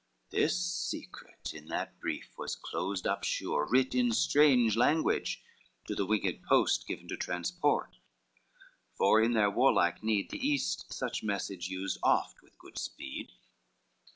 This secret in that brief was closed up sure, Writ in strange language, to the winged post Given to transport; for in their warlike need The east such message used, oft with good speed.